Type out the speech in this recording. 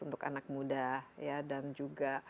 untuk anak muda ya dan juga